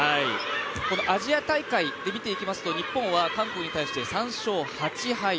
アジア大会で見ていきますと日本は韓国に対して３勝８敗。